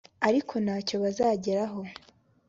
ariko nta cyo bazageraho.